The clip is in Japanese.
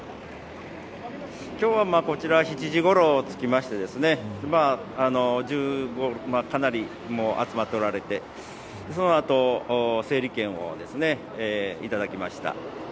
今日はこちら７時ごろ着きましてかなり集まっておられてその後、整理券をいただきました。